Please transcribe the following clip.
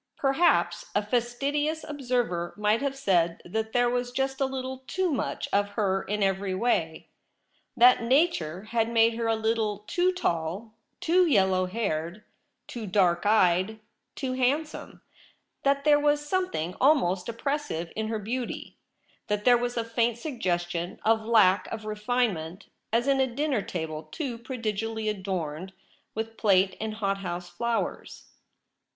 Perhaps a fastidious observer might have said that there was just a little too much of her in every way ; that nature had made her a little too tall, too yellow haired, too dark eyed, too handsome ; that there was somcthinor 7.Y THE LOBBY. almost oppressive in her beauty ; that there was a faint suggestion of lack of refinement, as in a dinner table too prodigally adorned with plate and hot house flowers.